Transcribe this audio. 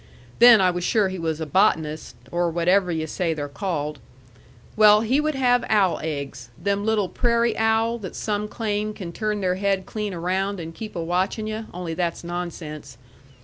Then I was sure he was a botanist or whatever yu' say they're called. Well, he would have owl eggs them little prairie owl that some claim can turn their head clean around and keep a watchin' yu', only that's nonsense.